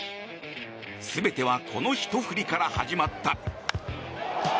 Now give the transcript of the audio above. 全てはこのひと振りから始まった。